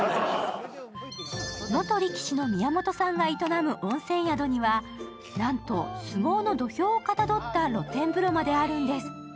元力士の宮本さんが営む温泉宿にはなんと相撲の土俵をかたどった露天風呂まであるんです。